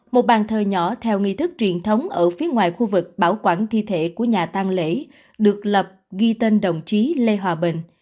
một bàn thờ nhỏ theo nghi thức truyền thống ở phía ngoài khu vực bảo quản thi thể của nhà tăng lễ được lập ghi tên đồng chí lê hòa bình